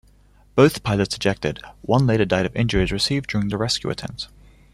Both pilots ejected; one later died of injuries received during the rescue attempt.